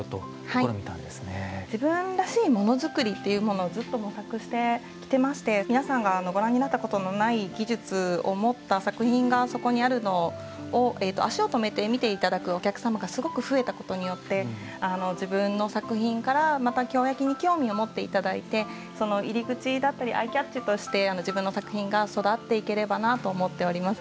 自分らしいモノ作りっていうものをずっと模索してきてまして皆さんがご覧になったことのない技術を持った作品がそこにあるのを足を止めて見て頂くお客様がすごく増えたことによって自分の作品からまた京焼に興味を持って頂いてその入り口だったりアイキャッチとして自分の作品が育っていければなと思っております。